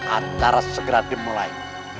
antara segera dimulai